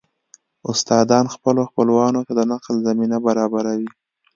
استادان خپلو خپلوانو ته د نقل زمينه برابروي